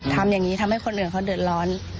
ทำอย่างนี้ทำให้คนอื่นเขาเดือดร้อน